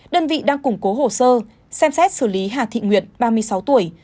đơn vị đang củng cố hồ sơ xem xét xử lý hà thị nguyệt ba mươi sáu tuổi